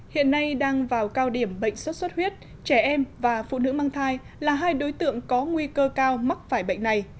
hiện nay đang vào cao điểm bệnh sốt xuất huyết trẻ em và phụ nữ mang thai là hai đối tượng có nguy cơ cao mắc phải bệnh này